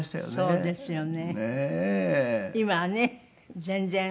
そうでしたよね。